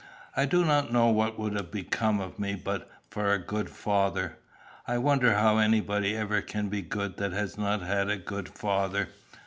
I do not know what would have become of me but for a good father. I wonder how anybody ever can be good that has not had a good father.